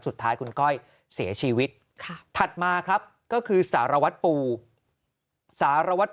สุดท้ายคุณก้อยเสียชีวิตถัดมาครับก็คือสารวัตรปูสารวัตร